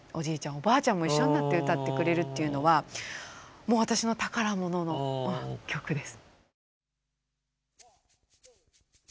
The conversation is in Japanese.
おばあちゃんも一緒になって歌ってくれるっていうのはもう私の宝物の曲です。